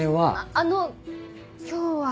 あの今日は。